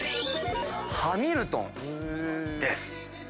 『ハミルトン』です。